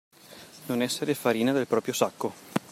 Non essere farina del proprio sacco.